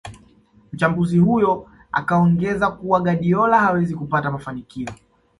Mchambuzi huyo akaongeza kuwa Guardiola hawezi kupata mafanikio